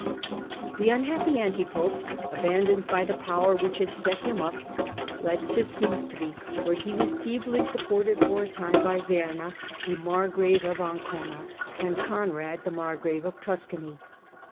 The unhappy anti pope, abandoned by the power which had set him up, fled to Sutri, where he was feebly supported for a time by "Werner, the margrave of Ancona, and Conrad, margrave of Tuscany.